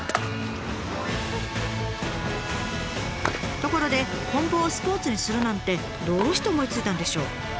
ところでこん棒をスポーツにするなんてどうして思いついたんでしょう？